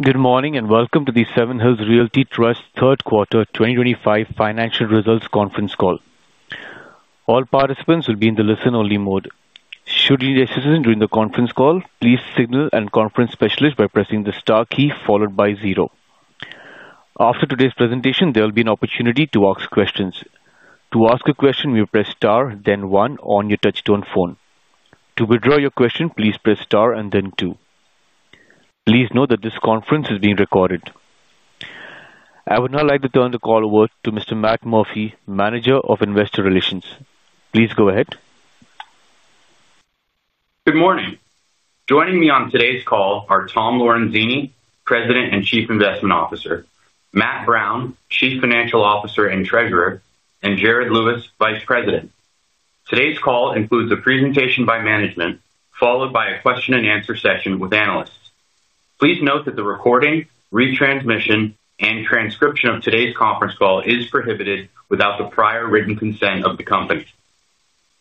Good morning and welcome to the Seven Hills Realty Trust Third Quarter 2025 Financial Results Conference Call. All participants will be in the listen-only mode. Should you need assistance during the conference call, please signal a conference specialist by pressing the star key followed by zero. After today's presentation, there will be an opportunity to ask questions. To ask a question, you press star, then one on your touch-tone phone. To withdraw your question, please press star and then two. Please note that this conference is being recorded. I would now like to turn the call over to Mr. Matt Murphy, Manager of Investor Relations. Please go ahead. Good morning. Joining me on today's call are Tom Lorenzini, President and Chief Investment Officer; Matt Brown, Chief Financial Officer and Treasurer; and Jared Lewis, Vice President. Today's call includes a presentation by management followed by a question and answer session with analysts. Please note that the recording, retransmission, and transcription of today's conference call is prohibited without the prior written consent of the company.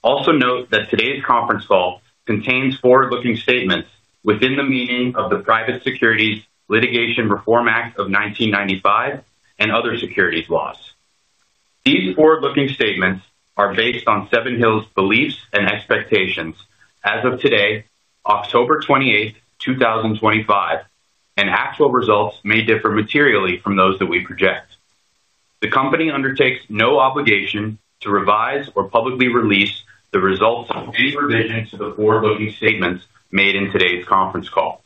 Also note that today's conference call contains forward-looking statements within the meaning of the Private Securities Litigation Reform Act of 1995 and other securities laws. These forward-looking statements are based on Seven Hills Realty Trust's beliefs and expectations as of today, October 28, 2025, and actual results may differ materially from those that we project. The company undertakes no obligation to revise or publicly release the results of any revision to the forward-looking statements made in today's conference call.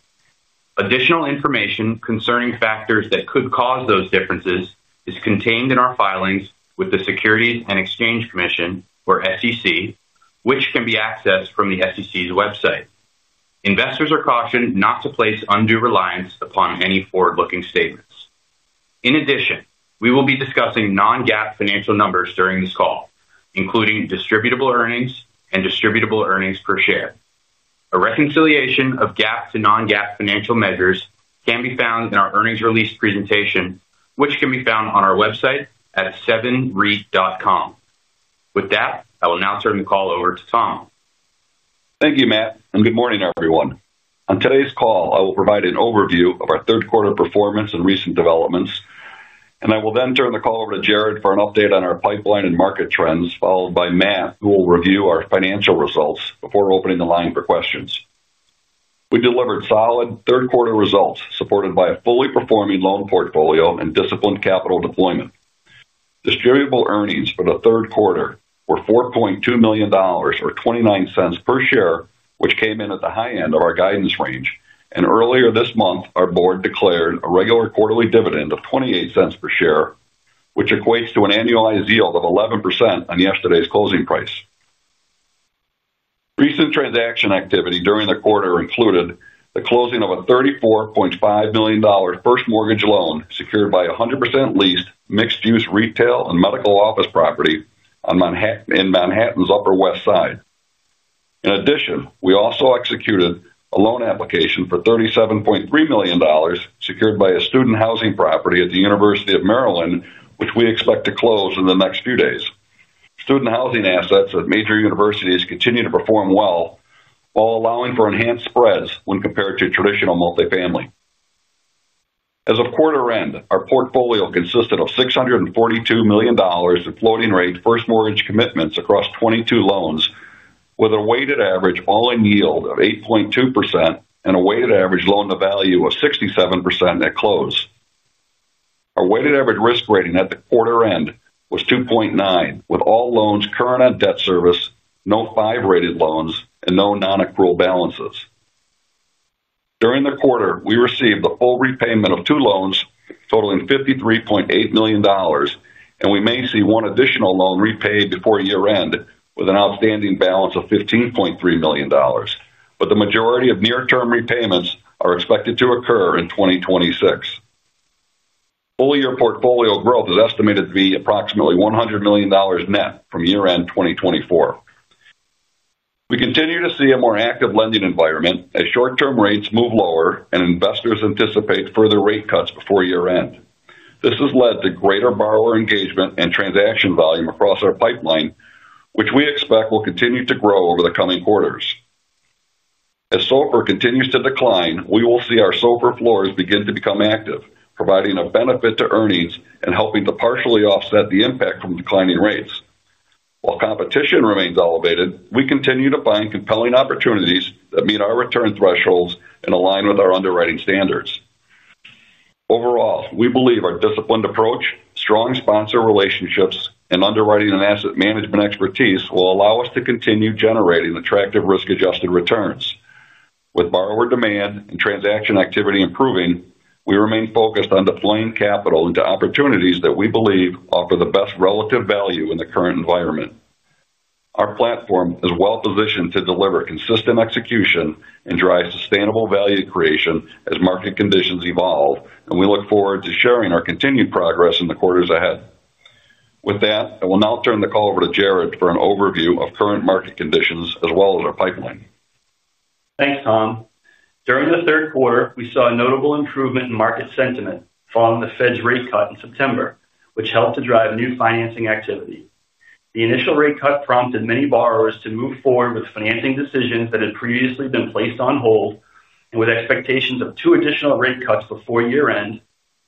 Additional information concerning factors that could cause those differences is contained in our filings with the Securities and Exchange Commission, or SEC, which can be accessed from the SEC's website. Investors are cautioned not to place undue reliance upon any forward-looking statements. In addition, we will be discussing non-GAAP financial numbers during this call, including distributable earnings and distributable earnings per share. A reconciliation of GAAP to non-GAAP financial measures can be found in our earnings release presentation, which can be found on our website at sevenhillsrt.com. With that, I will now turn the call over to Tom. Thank you, Matt, and good morning, everyone. On today's call, I will provide an overview of our third quarter performance and recent developments. I will then turn the call over to Jared for an update on our pipeline and market trends, followed by Matt, who will review our financial results before opening the line for questions. We delivered solid third-quarter results supported by a fully performing loan portfolio and disciplined capital deployment. Distributable earnings for the third quarter were $4.2 million or $0.29 per share, which came in at the high end of our guidance range. Earlier this month, our board declared a regular quarterly dividend of $0.28 per share, which equates to an annualized yield of 11% on yesterday's closing price. Recent transaction activity during the quarter included the closing of a $34.5 million first mortgage loan secured by 100% leased mixed-use retail and medical office property in Manhattan's Upper West Side. In addition, we also executed a loan application for $37.3 million secured by a student housing property at the University of Maryland, which we expect to close in the next few days. Student housing assets at major universities continue to perform well while allowing for enhanced spreads when compared to traditional multifamily. As of quarter end, our portfolio consisted of $642 million in floating-rate first mortgage commitments across 22 loans with a weighted average all-in yield of 8.2% and a weighted average loan-to-value of 67% at close. Our weighted average risk rating at the quarter end was 2.9, with all loans current on debt service, no 5-rated loans, and no non-accrual balances. During the quarter, we received the full repayment of two loans totaling $53.8 million, and we may see one additional loan repaid before year-end with an outstanding balance of $15.3 million. The majority of near-term repayments are expected to occur in 2026. Full-year portfolio growth is estimated to be approximately $100 million net from year-end 2024. We continue to see a more active lending environment as short-term rates move lower and investors anticipate further rate cuts before year-end. This has led to greater borrower engagement and transaction volume across our pipeline, which we expect will continue to grow over the coming quarters. As SOFR continues to decline, we will see our SOFR floors begin to become active, providing a benefit to earnings and helping to partially offset the impact from declining rates. While competition remains elevated, we continue to find compelling opportunities that meet our return thresholds and align with our underwriting standards. Overall, we believe our disciplined approach, strong sponsor relationships, and underwriting and asset management expertise will allow us to continue generating attractive risk-adjusted returns. With borrower demand and transaction activity improving, we remain focused on deploying capital into opportunities that we believe offer the best relative value in the current environment. Our platform is well-positioned to deliver consistent execution and drive sustainable value creation as market conditions evolve. We look forward to sharing our continued progress in the quarters ahead. With that, I will now turn the call over to Jared for an overview of current market conditions as well as our pipeline. Thanks, Tom. During the third quarter, we saw a notable improvement in market sentiment following the Federal Reserve's rate cut in September, which helped to drive new financing activity. The initial rate cut prompted many borrowers to move forward with financing decisions that had previously been placed on hold, and with expectations of two additional rate cuts before year-end,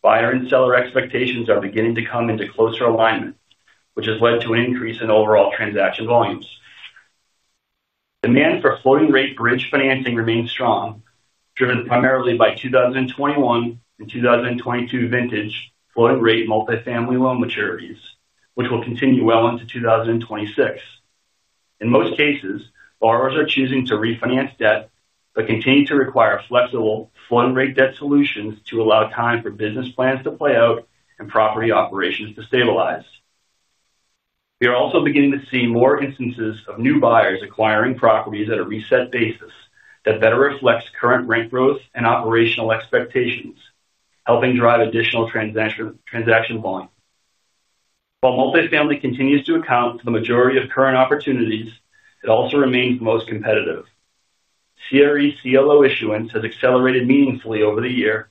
buyer and seller expectations are beginning to come into closer alignment, which has led to an increase in overall transaction volumes. Demand for floating-rate bridge financing remains strong, driven primarily by 2021 and 2022 vintage floating-rate multifamily loan maturities, which will continue well into 2026. In most cases, borrowers are choosing to refinance debt but continue to require flexible floating-rate debt solutions to allow time for business plans to play out and property operations to stabilize. We are also beginning to see more instances of new buyers acquiring properties at a reset basis that better reflects current rent growth and operational expectations, helping drive additional transaction volume. While multifamily continues to account for the majority of current opportunities, it also remains most competitive. CRE CLO issuance has accelerated meaningfully over the year,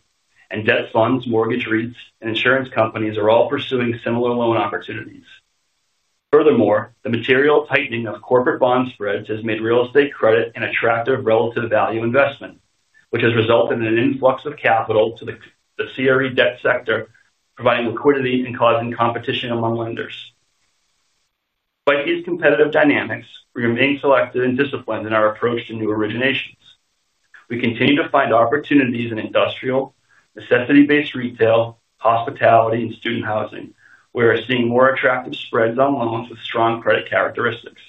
and debt funds, mortgage REITs, and insurance companies are all pursuing similar loan opportunities. Furthermore, the material tightening of corporate bond spreads has made real estate credit an attractive relative value investment, which has resulted in an influx of capital to the CRE debt sector, providing liquidity and causing competition among lenders. Despite these competitive dynamics, we remain selective and disciplined in our approach to new originations. We continue to find opportunities in industrial, necessity-based retail, hospitality, and student housing, where we are seeing more attractive spreads on loans with strong credit characteristics.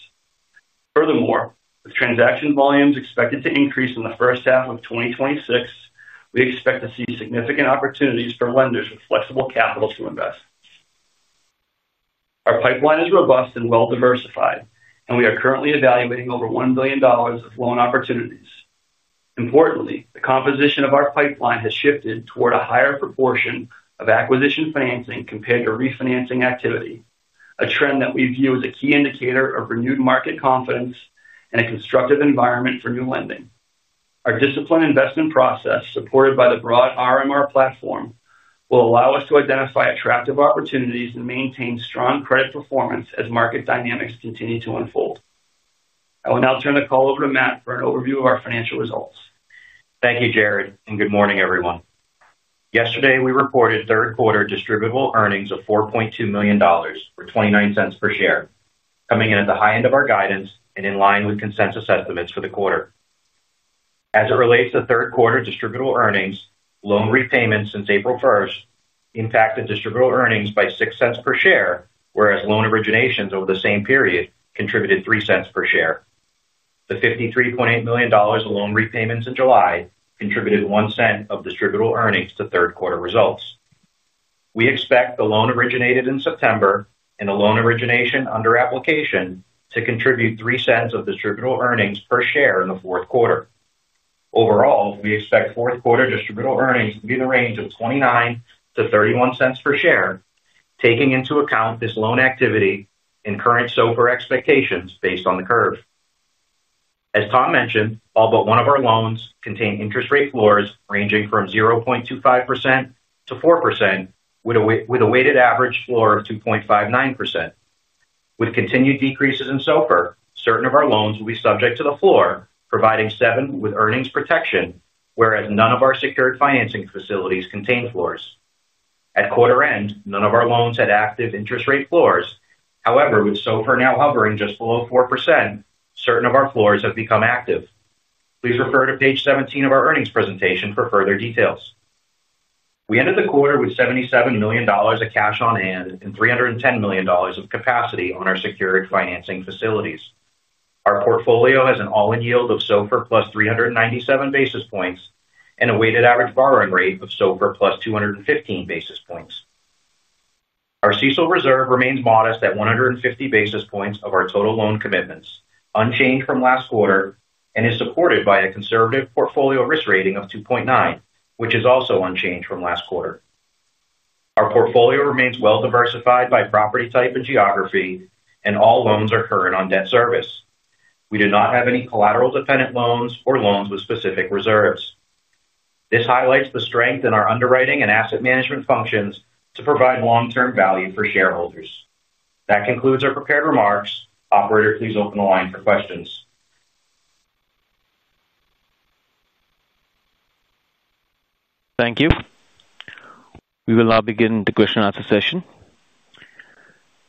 Furthermore, with transaction volumes expected to increase in the first half of 2026, we expect to see significant opportunities for lenders with flexible capital to invest. Our pipeline is robust and well-diversified, and we are currently evaluating over $1 billion of loan opportunities. Importantly, the composition of our pipeline has shifted toward a higher proportion of acquisition financing compared to refinancing activity, a trend that we view as a key indicator of renewed market confidence and a constructive environment for new lending. Our disciplined investment process, supported by the broad RMR platform, will allow us to identify attractive opportunities and maintain strong credit performance as market dynamics continue to unfold. I will now turn the call over to Matt for an overview of our financial results. Thank you, Jared, and good morning, everyone. Yesterday, we reported third-quarter distributable earnings of $4.2 million or $0.29 per share, coming in at the high end of our guidance and in line with consensus estimates for the quarter. As it relates to third-quarter distributable earnings, loan repayments since April 1 impacted distributable earnings by $0.06 per share, whereas loan originations over the same period contributed $0.03 per share. The $53.8 million of loan repayments in July contributed $0.01 of distributable earnings to third-quarter results. We expect the loan originated in September and the loan origination under application to contribute $0.03 of distributable earnings per share in the fourth quarter. Overall, we expect fourth-quarter distributable earnings to be in the range of $0.29-$0.31 per share, taking into account this loan activity and current SOFR expectations based on the curve. As Tom mentioned, all but one of our loans contains interest rate floors ranging from 0.25%-4%, with a weighted average floor of 2.59%. With continued decreases in SOFR, certain of our loans will be subject to the floor, providing Seven Hills Realty Trust with earnings protection, whereas none of our secured financing facilities contain floors. At quarter end, none of our loans had active interest rate floors. However, with SOFR now hovering just below 4%, certain of our floors have become active. Please refer to page 17 of our earnings presentation for further details. We ended the quarter with $77 million of cash on hand and $310 million of capacity on our secured financing facilities. Our portfolio has an all-in yield of SOFR plus 397 basis points and a weighted average borrowing rate of SOFR plus 215 basis points. Our CECL reserve remains modest at 150 basis points of our total loan commitments, unchanged from last quarter, and is supported by a conservative portfolio risk rating of 2.9, which is also unchanged from last quarter. Our portfolio remains well-diversified by property type and geography, and all loans are current on debt service. We do not have any collateral dependent loans or loans with specific reserves. This highlights the strength in our underwriting and asset management functions to provide long-term value for shareholders. That concludes our prepared remarks. Operator, please open the line for questions. Thank you. We will now begin the question and answer session.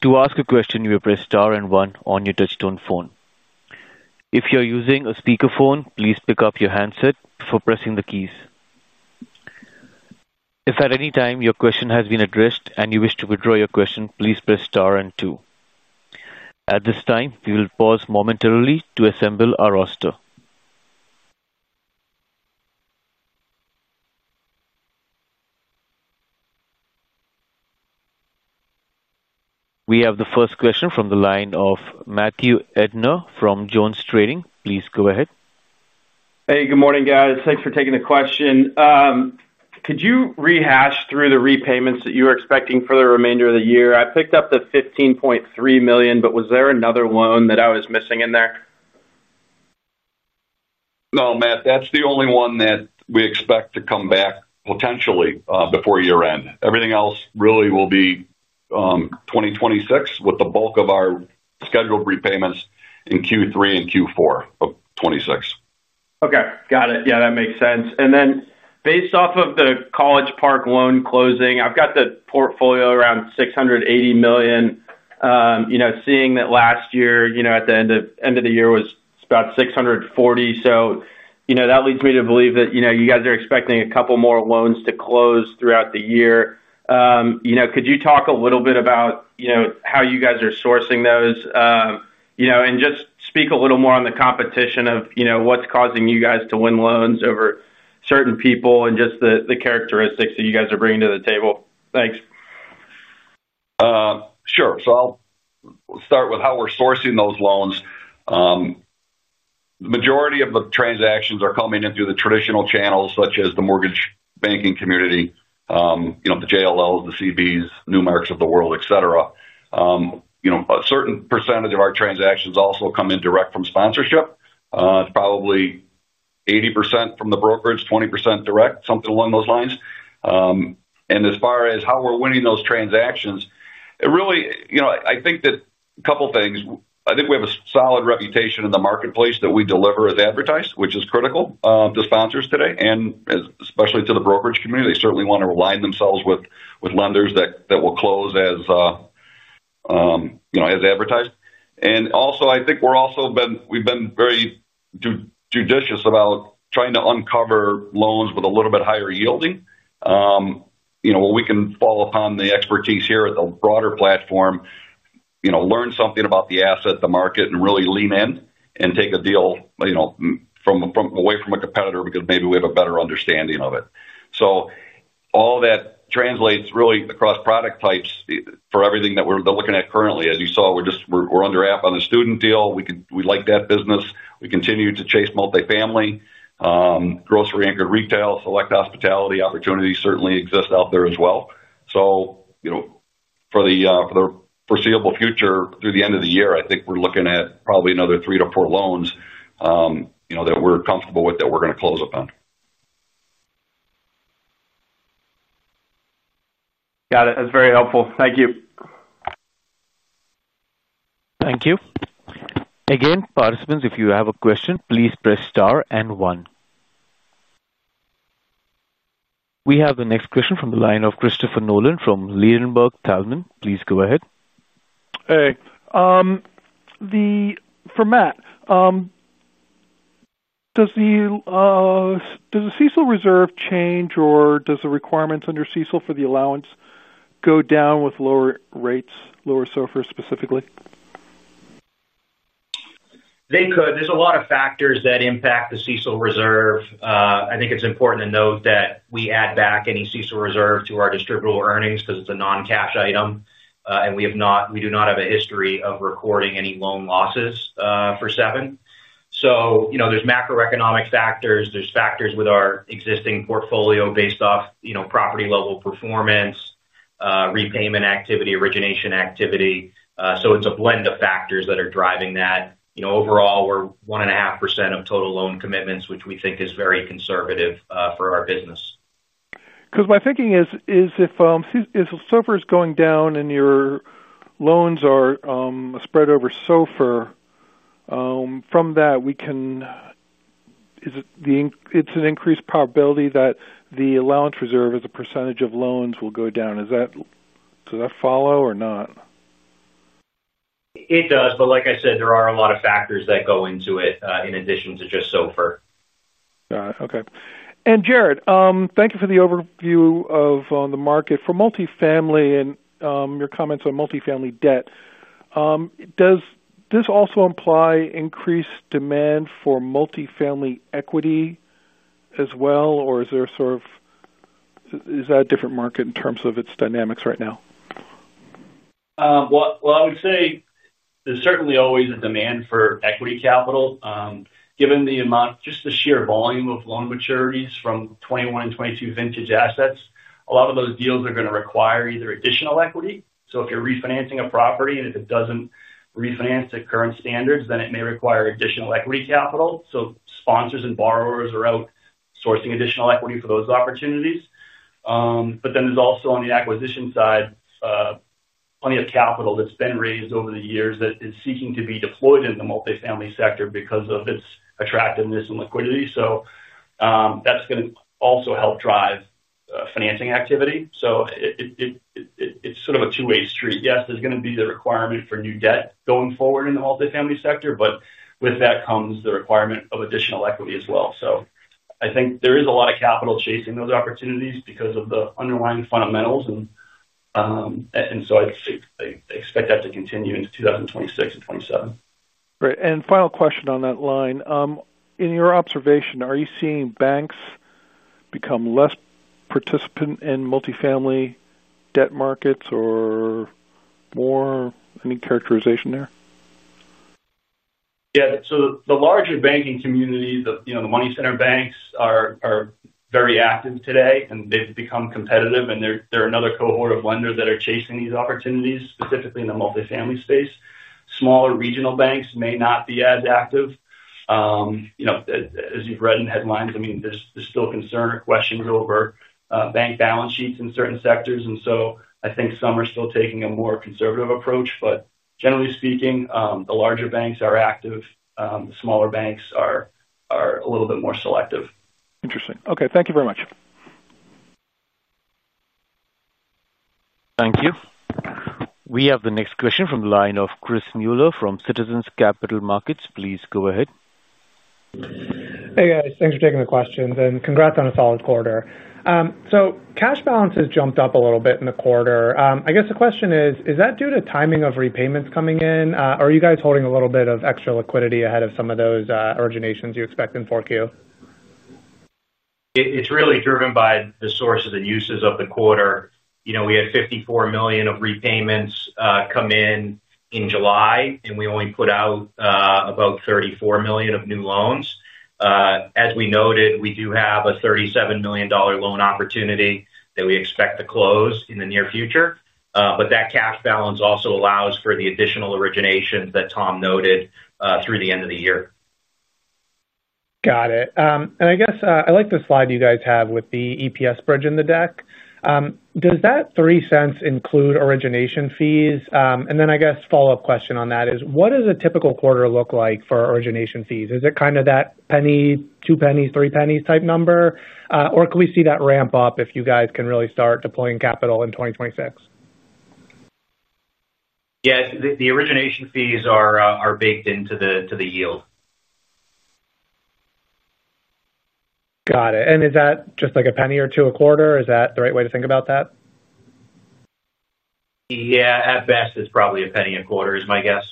To ask a question, you will press star and one on your touch-tone phone. If you're using a speaker phone, please pick up your handset before pressing the keys. If at any time your question has been addressed and you wish to withdraw your question, please press star and two. At this time, we will pause momentarily to assemble our roster. We have the first question from the line of Matthew Erdner from JonesTrading. Please go ahead. Hey, good morning, guys. Thanks for taking the question. Could you rehash through the repayments that you were expecting for the remainder of the year? I picked up the $15.3 million, but was there another loan that I was missing in there? No, Matt, that's the only one that we expect to come back potentially before year-end. Everything else really will be 2026, with the bulk of our scheduled repayments in Q3 and Q4 of 2026. Okay, got it. Yeah, that makes sense. Based off of the College Park loan closing, I've got the portfolio around $680 million. Seeing that last year, at the end of the year, was about $640 million, that leads me to believe that you guys are expecting a couple more loans to close throughout the year. Could you talk a little bit about how you guys are sourcing those and just speak a little more on the competition of what's causing you guys to win loans over certain people and just the characteristics that you guys are bringing to the table? Thanks. Sure. I'll start with how we're sourcing those loans. The majority of the transactions are coming in through the traditional channels such as the mortgage banking community, you know, the JLLs, the CBREs, Newmarks of the world, etc. A certain percentage of our transactions also come in direct from sponsorship. It's probably 80% from the brokerage, 20% direct, something along those lines. As far as how we're winning those transactions, I think that a couple of things. We have a solid reputation in the marketplace that we deliver as advertised, which is critical to sponsors today, and especially to the brokerage community. They certainly want to align themselves with lenders that will close as advertised. I think we've been very judicious about trying to uncover loans with a little bit higher yielding. Where we can fall upon the expertise here at the broader platform, learn something about the asset, the market, and really lean in and take a deal from a competitor because maybe we have a better understanding of it. All that translates really across product types for everything that we're looking at currently. As you saw, we're under app on a student deal. We like that business. We continue to chase multifamily, grocery-anchored retail, select hospitality opportunities certainly exist out there as well. For the foreseeable future through the end of the year, I think we're looking at probably another three to four loans that we're comfortable with that we're going to close upon. Got it. That's very helpful. Thank you. Thank you. Again, participants, if you have a question, please press star and one. We have the next question from the line of Christopher Nolan from Ladenburg Thalmann. Please go ahead. Hey, for Matt, does the CECL reserve change or do the requirements under CECL for the allowance go down with lower rates, lower SOFR specifically? They could. There's a lot of factors that impact the CECL reserve. I think it's important to note that we add back any CECL reserve to our distributable earnings because it's a non-cash item. We do not have a history of recording any loan losses for Seven Hills Realty Trust. There are macroeconomic factors and factors with our existing portfolio based off property-level performance, repayment activity, and origination activity. It's a blend of factors that are driving that. Overall, we're at 1.5% of total loan commitments, which we think is very conservative for our business. Because my thinking is if SOFR is going down and your loans are spread over SOFR, from that, we can, is it an increased probability that the allowance reserve as a % of loans will go down? Does that follow or not? It does, but like I said, there are a lot of factors that go into it in addition to just SOFR. Got it. Okay. Jared, thank you for the overview of the market for multifamily and your comments on multifamily debt. Does this also imply increased demand for multifamily equity as well, or is that a different market in terms of its dynamics right now? I would say there's certainly always a demand for equity capital. Given the amount, just the sheer volume of loan maturities from 2021 and 2022 vintage assets, a lot of those deals are going to require either additional equity. If you're refinancing a property and if it doesn't refinance to current standards, then it may require additional equity capital. Sponsors and borrowers are out sourcing additional equity for those opportunities. There's also, on the acquisition side, plenty of capital that's been raised over the years that is seeking to be deployed in the multifamily sector because of its attractiveness and liquidity. That's going to also help drive financing activity. It's sort of a two-way street. Yes, there's going to be the requirement for new debt going forward in the multifamily sector, but with that comes the requirement of additional equity as well. I think there is a lot of capital chasing those opportunities because of the underlying fundamentals. I expect that to continue into 2026 and 2027. Great. Final question on that line. In your observation, are you seeing banks become less participant in multifamily debt markets or more? Any characterization there? Yeah. The larger banking communities of, you know, the money center banks are very active today, and they've become competitive. They're another cohort of lenders that are chasing these opportunities, specifically in the multifamily space. Smaller regional banks may not be as active. You know, as you've read in headlines, there's still concern or questions over bank balance sheets in certain sectors. I think some are still taking a more conservative approach. Generally speaking, the larger banks are active. The smaller banks are a little bit more selective. Interesting. Okay, thank you very much. Thank you. We have the next question from the line of Chris Muller from Citizens JMP. Please go ahead. Hey, guys. Thanks for taking the questions. Congrats on a solid quarter. Cash balances jumped up a little bit in the quarter. I guess the question is, is that due to timing of repayments coming in? Are you guys holding a little bit of extra liquidity ahead of some of those originations you expect in 4Q? It's really driven by the sources and uses of the quarter. We had $54 million of repayments come in in July, and we only put out about $34 million of new loans. As we noted, we do have a $37 million loan opportunity that we expect to close in the near future. That cash balance also allows for the additional originations that Tom noted through the end of the year. Got it. I like the slide you guys have with the EPS bridge in the deck. Does that $0.03 include origination fees? I guess a follow-up question on that is, what does a typical quarter look like for origination fees? Is it kind of that $0.01, $0.02, $0.03 type number? Or can we see that ramp up if you guys can really start deploying capital in 2026? Yes, the origination fees are baked into the yield. Is that just like $0.01 or $0.02 a quarter? Is that the right way to think about that? Yeah, at best, it's probably $0.01 a quarter is my guess.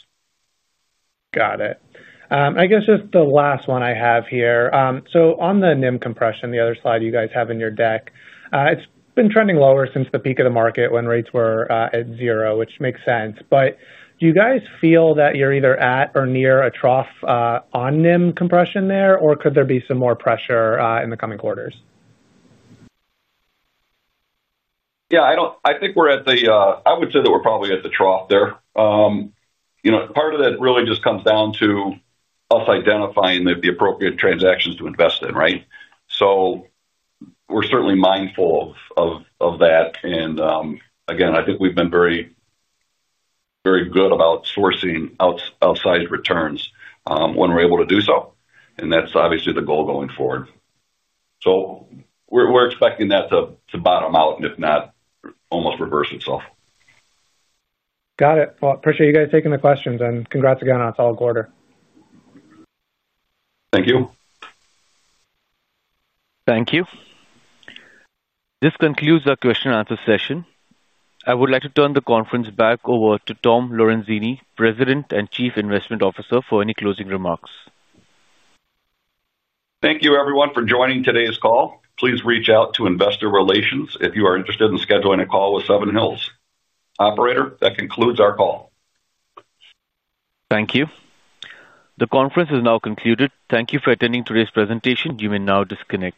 Got it. I guess just the last one I have here. On the NIM compression, the other slide you guys have in your deck, it's been trending lower since the peak of the market when rates were at zero, which makes sense. Do you guys feel that you're either at or near a trough on NIM compression there, or could there be some more pressure in the coming quarters? Yeah, I think we're at the, I would say that we're probably at the trough there. Part of that really just comes down to us identifying the appropriate transactions to invest in, right? We're certainly mindful of that. I think we've been very good about sourcing outsized returns when we're able to do so. That's obviously the goal going forward. We're expecting that to bottom out and if not, almost reverse itself. Got it. I appreciate you guys taking the questions, and congrats again on a solid quarter. Thank you. Thank you. This concludes our question and answer session. I would like to turn the conference back over to Tom Lorenzini, President and Chief Investment Officer, for any closing remarks. Thank you, everyone, for joining today's call. Please reach out to Investor Relations if you are interested in scheduling a call with Seven Hills Realty Trust. Operator, that concludes our call. Thank you. The conference is now concluded. Thank you for attending today's presentation. You may now disconnect.